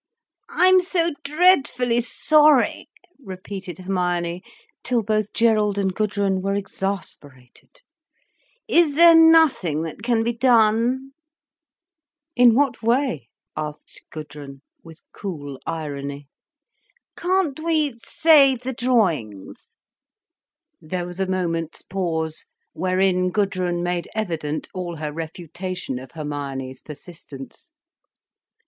"I'm so dreadfully sorry," repeated Hermione, till both Gerald and Gudrun were exasperated. "Is there nothing that can be done?" "In what way?" asked Gudrun, with cool irony. "Can't we save the drawings?" There was a moment's pause, wherein Gudrun made evident all her refutation of Hermione's persistence.